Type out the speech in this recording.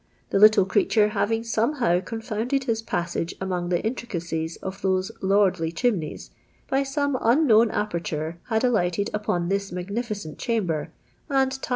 The little creiiture having somehow confounded his passa'^e ainonpr the intricacies of those lordly chimneyji, by some unknown aperture had alighted upon this magnificent chamber, and, tin.>